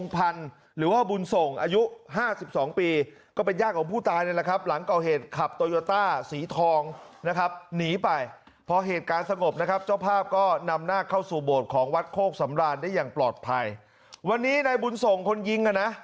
พี่โห้พี่โห้พี่โห้พี่โห้พี่โห้พี่โห้พี่โห้พี่โห้พี่โห้พี่โห้พี่โห้พี่โห้พี่โห้พี่โห้พี่โห้พี่โห้พี่โห้